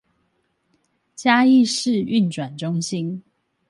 嘉義市轉運中心